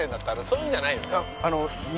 そういうんじゃないの？